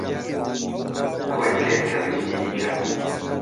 ئەوەی کرد کە ویستی بیکات.